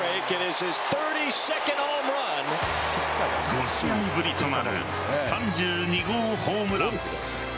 ５試合ぶりとなる３２号ホームラン。